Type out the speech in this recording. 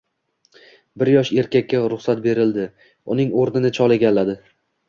Bir yosh erkakka ruxsat berildi, uning o`rnini chol egalladi